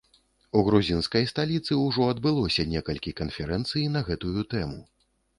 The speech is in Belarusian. У грузінскай сталіцы ўжо адбылося некалькі канферэнцый на гэтую тэму.